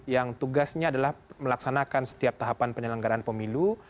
yang tugasnya adalah melaksanakan setiap tahapan penyelenggaraan pemilu